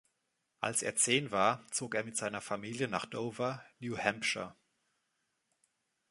Als er zehn war, zog er mit seiner Familie nach Dover, New Hampshire.